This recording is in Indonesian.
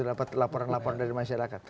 dapat laporan laporan dari masyarakat